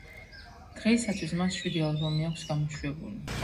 დღეისათვის მას შვიდი ალბომი აქვს გამოშვებული.